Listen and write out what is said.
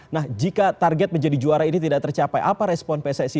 nah jika target menjadi juara ini tidak tercapai apa respon pssi